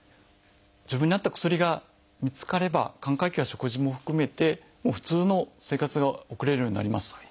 自分に合った薬が見つかれば寛解期は食事も含めて普通の生活が送れるようになります。